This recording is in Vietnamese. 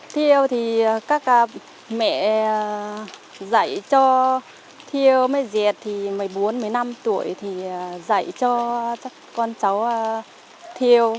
thiêu thì các mẹ dạy cho thiêu mới diệt một mươi bốn một mươi năm tuổi thì dạy cho con cháu thiêu